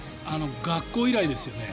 学校以来ですよね。